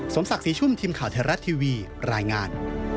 ศักดิ์ศรีชุ่มทีมข่าวไทยรัฐทีวีรายงาน